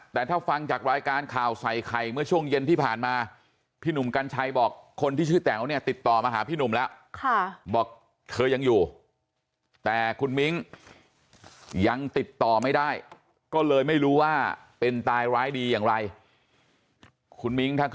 แต่ถ้าฟังจากรายการข่าวใส่ไข่เมื่อช่วงเย็นที่ผ่านมาพี่หนุ่มกัญชัยบอกคนที่ชื่อแต๋วเนี่ยติดต่อมาหาพี่หนุ่มแล้วบอกเธอยังอยู่แต่คุณมิ้งยังติดต่อไม่ได้ก็เลยไม่รู้ว่าเป็นตายร้ายดีอย่างไรคุณมิ้งทัก